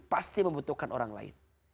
pasti membutuhkan orang lain